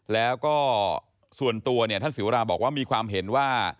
แล้วก็ส่วนตัวเนี่ยท่านศิวราบอกว่ามีความเห็นว่า